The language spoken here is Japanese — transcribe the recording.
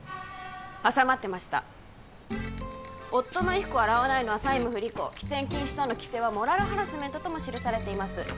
挟まってました「夫の衣服を洗わないのは債務不履行」「喫煙禁止等の規制はモラルハラスメント」とも記されています